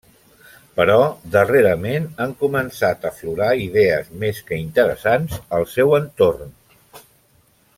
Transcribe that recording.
Però darrerament han començat a aflorar idees més que interessants al seu entorn.